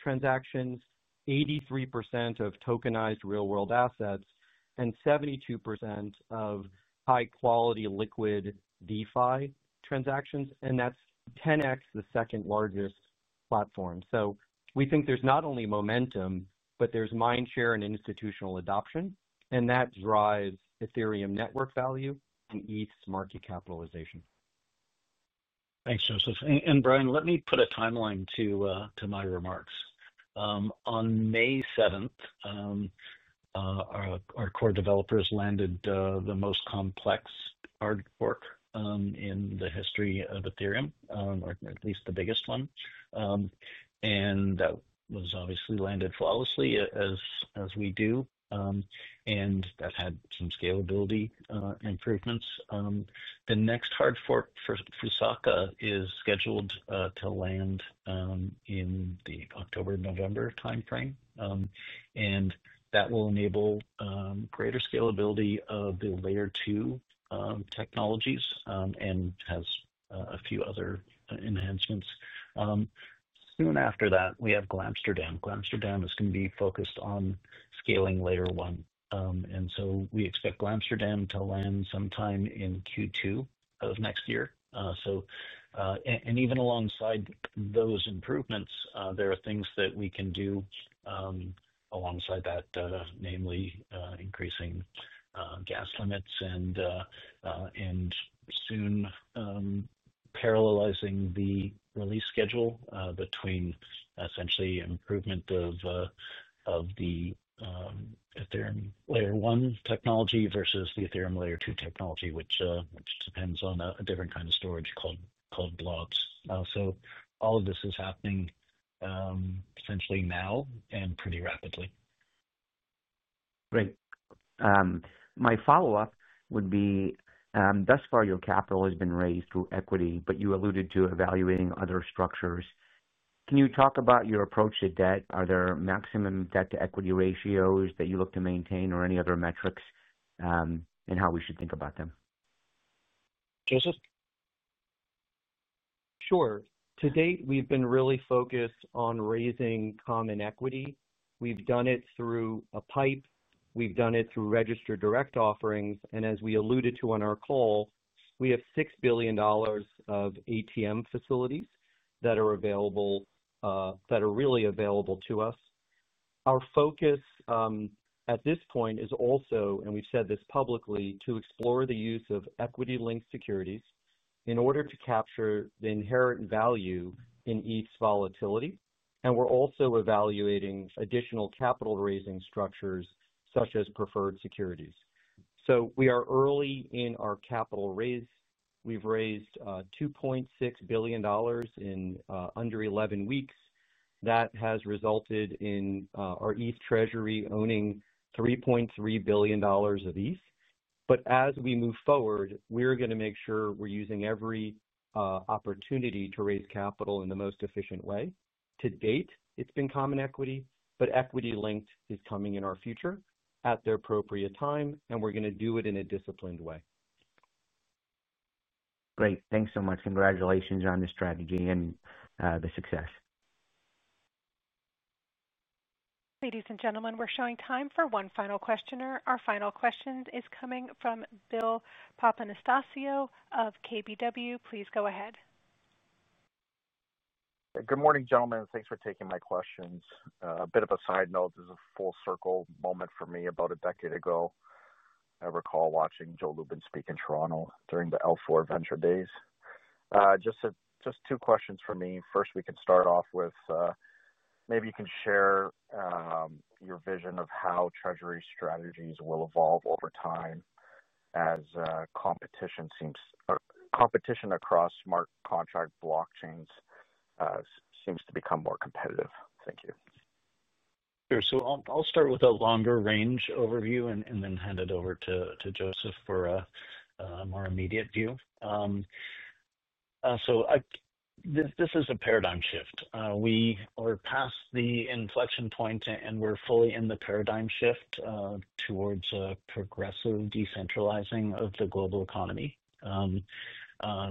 transactions, 83% of tokenized real world assets, and 72% of high quality liquid DeFi transactions. That's 10x the second largest platform. We think there's not only momentum, but there's mindshare and institutional adoption and that drives Ethereum network value and ETH's market capitalization. Thanks Joseph and Brian. Let me put a timeline to my remarks. On May 7th, our core developers landed the most complex hard fork in the history of Ethereum, or at least the biggest one. That was obviously landed flawlessly as we do, and that had some scalability improvements. The next hard fork for Fusaka is scheduled to land in the October-November time frame, and that will enable greater scalability of the layer 2 technologies and has a few other enhancements. Soon after that, we have Glamsterdam. Glamsterdam is going to be focused on scaling layer one, and we expect Glamsterdam to land sometime in Q2 of next year. Even alongside those improvements, there are things that we can do alongside that, namely increasing gas limits. Soon. Parallelizing the release schedule between essentially improvement of the Ethereum layer 1 technology versus the Ethereum layer 2 technology, which depends on a different kind of storage called blobs. All of this is happening essentially now and pretty rapidly. Great. My follow up would be, thus far your capital has been raised through equity, but you alluded to evaluating other structures. Can you talk about your approach to debt? Are there maximum debt to equity ratios that you look to maintain or any other metrics and how we should think about them. Joseph? Sure. To date we've been really focused on raising common equity. We've done it through a PIPE, we've done it through registered direct offerings, and as we alluded to on our call, we have $6 billion of ATM capacity that is available to us. Our focus at this point is also, and we've said this publicly, to explore the use of equity-linked securities in order to capture the inherent value in ETH's volatility. We're also evaluating additional capital raising structures such as preferred securities. We are early in our capital raise. We've raised $2.6 billion in under 11 weeks. That has resulted in our ETH treasury owning $3.3 billion of ETH. As we move forward, we're going to make sure we're using every opportunity to raise capital in the most efficient way. To date it's been common equity, but equity-linked is coming in our future at the appropriate time, and we're going to do it in a disciplined way. Great. Thanks so much. Congratulations on the strategy and the success. Ladies and gentlemen, we're showing time for one final questioner. Our final question is coming from Bill Papanastasiou of KBW. Please go ahead. Good morning, gentlemen. Thanks for taking my questions. A bit of a side note, this is a full circle moment for me. About a decade ago I recall watching Joe Lubin speak in Toronto during the L4 venture days. Just two questions for me. First, we can start off with maybe you can share your vision of how treasury strategies will evolve over time as competition across smart contract blockchains seems to become more competitive. Thank you. I'll start with a longer range overview and then hand it over to Joseph for a more immediate view. This is a paradigm shift. We are past the inflection point and we're fully in the paradigm shift towards a progressive decentralizing of the global economy.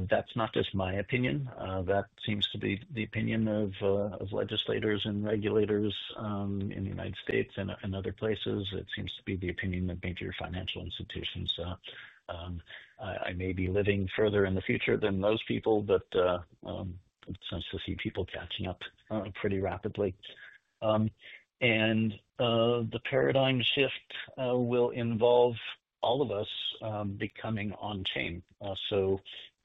That's not just my opinion. That seems to be the opinion of legislators and regulators in the U.S. and other places. It seems to be the opinion of major financial institutions. I may be living further in the future than most people, but it's nice to see people catching up pretty rapidly. The paradigm shift will involve all of us becoming on chain.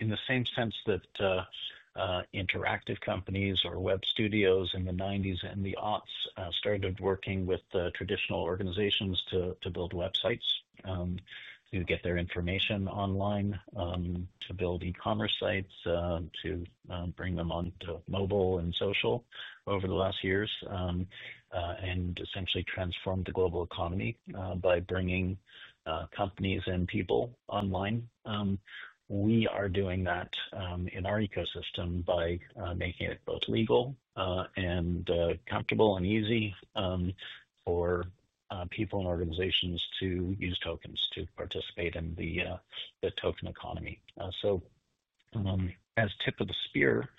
In the same sense that interactive companies or web studios in the 1990s and the 2000s started working with traditional organizations to build websites to get their information online, to build e-commerce sites to bring them onto mobile and social over the last years and essentially transform the global economy by bringing companies and people online, we are doing that in our ecosystem by making it both legal and comfortable and easy for people and organizations to use tokens to participate in the token economy. As tip of the spear,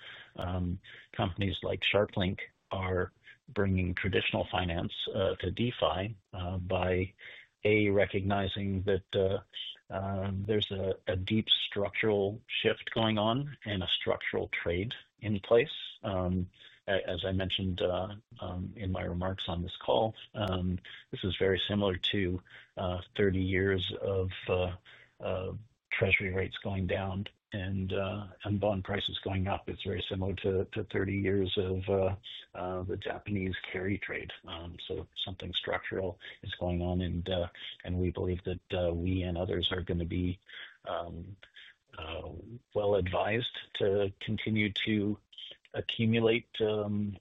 companies like SharpLink Gaming are bringing traditional finance to DeFi by recognizing that there's a deep structural shift going on and a structural trade in place. As I mentioned in my remarks on this call, this is very similar to 30 years of treasury rates going down and bond prices going up. It's very similar to 30 years of the Japanese carry trade. Something structural is going on. We believe that we and others are going to be well advised to continue to accumulate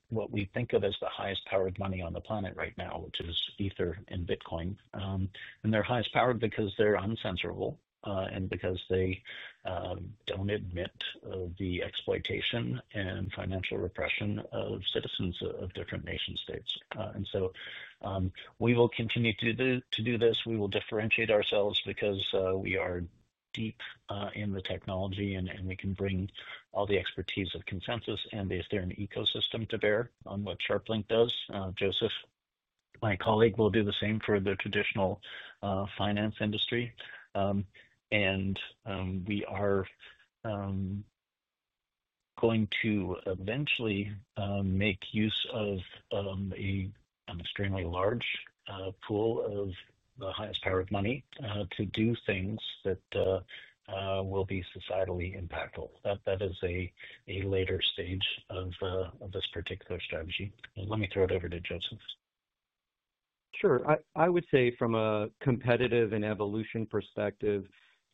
what we think of as the highest powered money on the planet right now, which is ether and Bitcoin, and they're highest power because they're uncensorable and because they don't admit of the exploitation and financial repression of citizens of different nation states. We will continue to do this. We will differentiate ourselves because we are deep in the technology and we can bring all the expertise of ConsenSys and the ecosystem to bear on what SharpLink does. Joseph, my colleague, will do the same for the traditional finance industry. We are going to eventually make use of an extremely large pool of the highest power of money to do things that will be societally impactful. That is a later stage of this particular strategy. Let me throw it over to Joseph. Sure. I would say from a competitive and evolution perspective,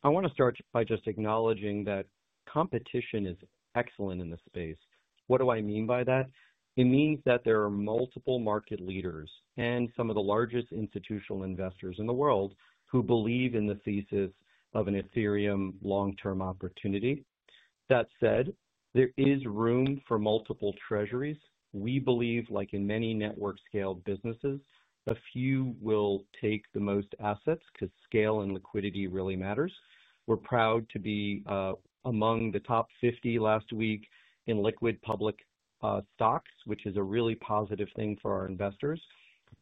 I want to start by just acknowledging that competition is excellent in the space. What do I mean by that? It means that there are multiple market leaders and some of the largest institutional investors in the world who believe in the thesis of an Ethereum long term opportunity. That said, there is room for multiple treasuries. We believe like in many network scale businesses, a few will take the most assets to scale and liquidity really matters. We're proud to be among the top 50 last week in liquid public stocks, which is a really positive thing for our investors.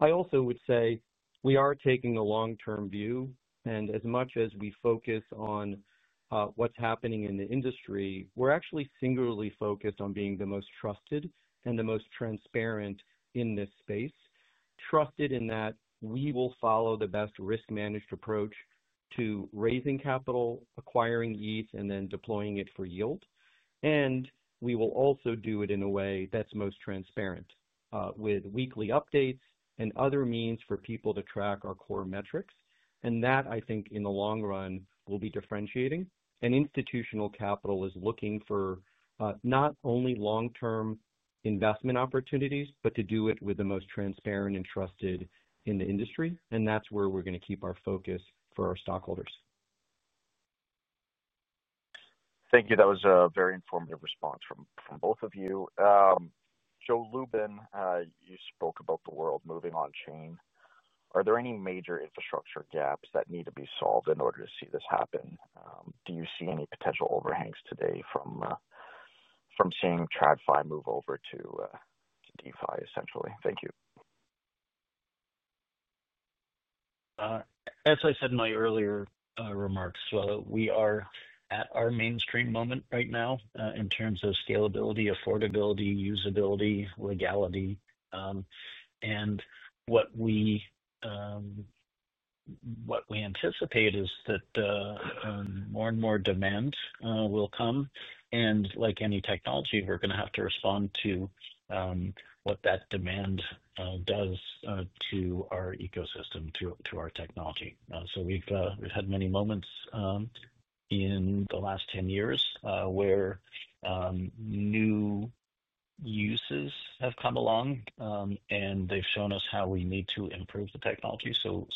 I also would say we are taking a long term view and as much as we focus on what's happening in the industry, we're actually singularly focused on being the most trusted and the most transparent in this space. Trusted in that we will follow the best risk managed approach to raising capital, acquiring ETH and then deploying it for yield. We will also do it in a way that's most transparent with weekly updates and other means for people to track our core metrics. I think in the long run that will be differentiating and institutional capital is looking for not only long term investment opportunities, but to do it with the most transparent and trusted in the industry. That's where we're going to keep. Our focus for our stockholders. Thank you. That was a very informative response from both of you. Joe Lubin, you spoke about the world moving on chain. Are there any major infrastructure gaps that. Need to be solved in order to see this happen? Do you see any potential overhangs today? From seeing TradFi move over to DeFi essentially? Thank you. As I said in my earlier remarks, we are at our mainstream moment right now in terms of scalability, affordability, usability, and legality. And. What we anticipate is that more and more demand will come, and like any technology, we're going to have to respond to what that demand does to our ecosystem through our technology. We've had many moments in the last 10 years where new uses have come along and they've shown us how we need to improve the technology.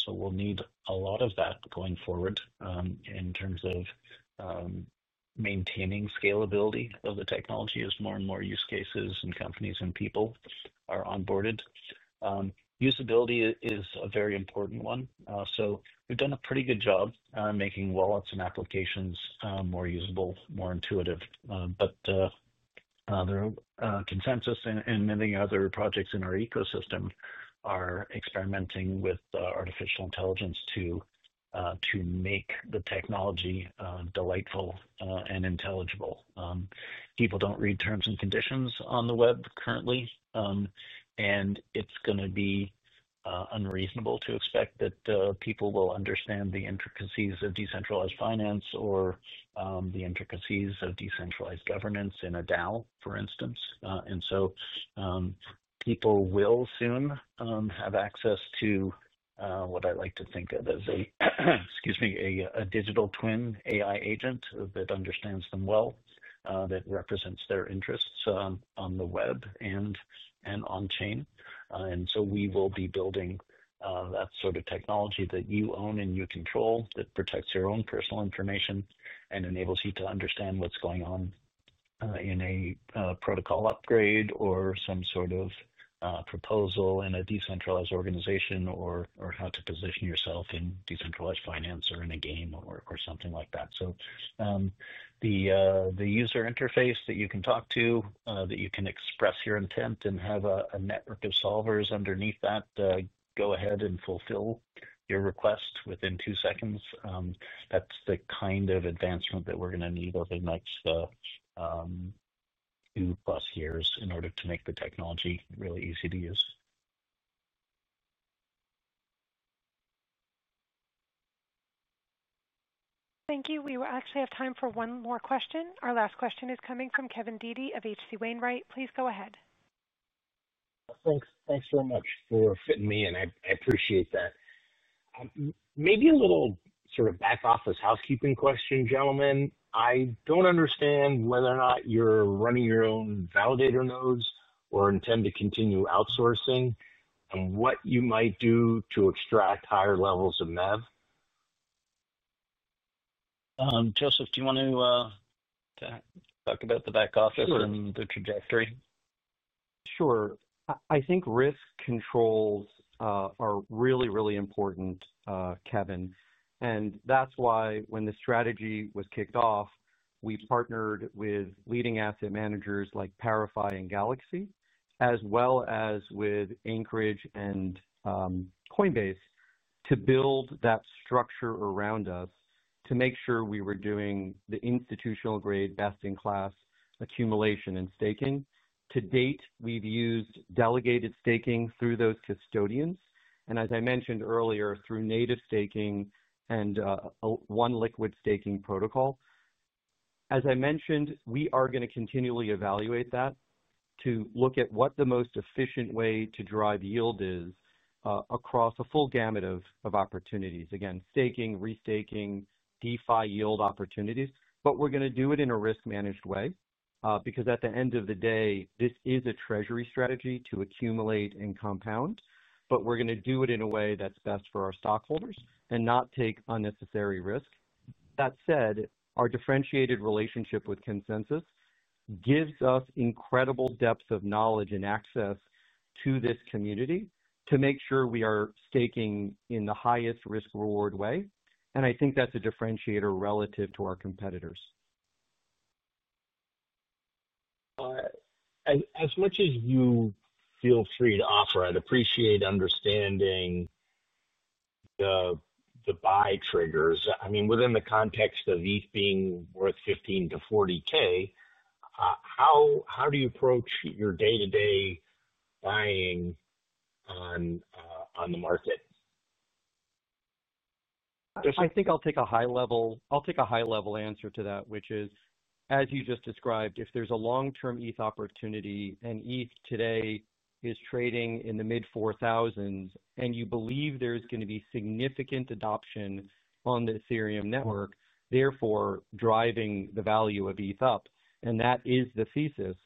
We'll need a lot of that going forward in terms of maintaining scalability of the technology as more and more use cases and companies and people are onboarded. Usability is a very important one. We've done a pretty good job making wallets and applications more usable, more intuitive. There are ConsenSys and many other projects in our ecosystem experimenting with artificial intelligence to make the technology delightful and intelligible. People don't read terms and conditions on the web currently. It's going to be unreasonable to expect that people will understand the intricacies of decentralized finance or the intricacies of decentralized governance in a DAO, for instance. People will soon have access to what I like to think of as a, excuse me, a digital twin AI agent that understands them well, that represents their interests on the web and on chain. We will be building that sort of technology that you own and you control, that protects your own personal information and enables you to understand what's going on in a protocol upgrade or some sort of proposal in a decentralized organization or how to position yourself in decentralized finance or in a game or something like that. The user interface that you can talk to, that you can express your intent and have a network of solvers underneath that go ahead and fulfill your request within two seconds, that's the kind of advancement that we're going to need. I think that's the two plus years in order to make the technology really easy to use. Thank you. We actually have time for one more question. Our last question is coming from Kevin Dede of H.C. Wainwright. Please go ahead. Thanks. Thanks so much for fitting me in. I appreciate that. Maybe a little sort of back office housekeeping question. Gentlemen, I don't understand whether or not you're. Running your own validator nodes or intend to continue outsourcing, and what you might. Do to extract higher levels of MEV. Joseph, do you want to talk about the back office and the trajectory? Sure. I think risk controls are really, really important, Kevin. That's why when the strategy was kicked off, we partnered with leading asset managers like ParaFi Capital and Galaxy Digital, as well as with Anchorage Digital and Coinbase to build that structure around us to make sure we were doing the institutional-grade, best-in-class accumulation and staking. To date, we've used delegated staking through those custodians and, as I mentioned earlier, through native staking and one liquid staking protocol. As I mentioned, we are going to continually evaluate that to look at what the most efficient way to drive yield is across a full gamut of opportunities. Again, staking, restaking, DeFi yield opportunities. We're going to do it in a risk-managed way because at the end of the day, this is a treasury strategy to accumulate and compound, but we're going to do it in a way that's best for our stockholders and not take unnecessary risk. That said, our differentiated relationship with ConsenSys gives us incredible depth of knowledge and access to this community to make sure we are staking in the highest risk-reward way. I think that's a differentiator relative to our competitors. As much as you feel free to offer, I'd appreciate understanding the buy triggers. I mean, within the context of each being worth $15,000-$40,000, how do you approach your day-to-day buying on the market? I think I'll take a high-level answer to that, which is, as you just described, if there's a long-term ETH opportunity and ETH today is trading in the mid-$4,000s and you believe there's going to be significant adoption on the Ethereum network, therefore driving the value of ETH up, and that is the thesis,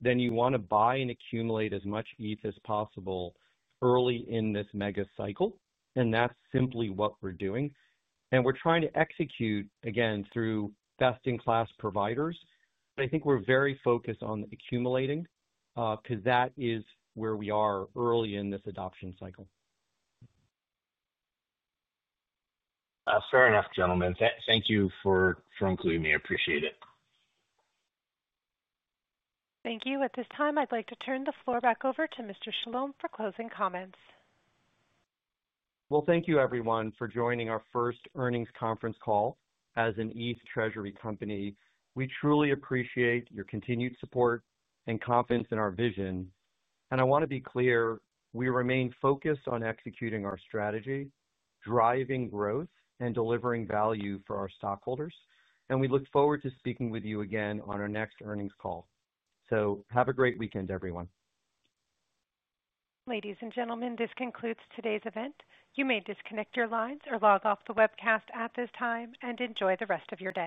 then you want to buy and accumulate as much ETH as possible early in this mega cycle and that's simply what we're doing and we're trying to execute again through best-in-class providers. I think we're very focused on accumulating because that is where we are early in this adoption cycle. Fair enough. Gentlemen, thank you for including me. I appreciate it. Thank you. At this time, I'd like to turn the floor back over to Mr. Chalom for closing comments. Thank you, everyone, for joining our first earnings conference call as an ETH treasury company. We truly appreciate your continued support and confidence in our vision. I want to be clear, we remain focused on executing our strategy, driving growth, and delivering value for our stockholders. We look forward to speaking with you again on our next earnings call. Have a great weekend, everyone. Ladies and gentlemen, this concludes today's event. You may disconnect your lines or log off the webcast at this time and enjoy the rest of your day.